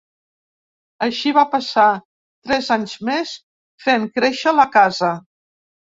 Axis va passar tres anys més, fent créixer la casa